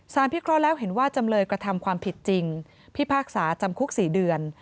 พิเคราะห์แล้วเห็นว่าจำเลยกระทำความผิดจริงพิพากษาจำคุก๔เดือน